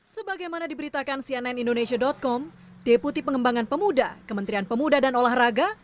sebagaimana diberitakan cnn indonesia com deputi pengembangan pemuda kementerian pemuda dan olahraga